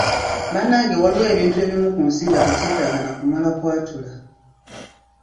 Bannange waliwo ebintu ebimu ku nsi nga tekyetaaga na kumala kwatula.